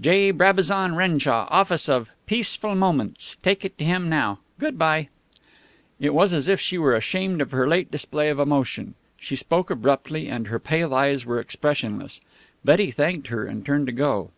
"J. Brabazon Renshaw, Office of Peaceful Moments. Take it to him now. Good by." It was as if she were ashamed of her late display of emotion. She spoke abruptly, and her pale eyes were expressionless. Betty thanked her and turned to go.